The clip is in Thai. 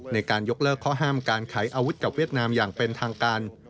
ในการยกเลิกข้อห้ามการขายอาวุธกับเวียดนามอย่างเป็นทางการ